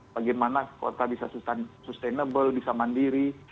bagaimana kota bisa sustainable bisa mandiri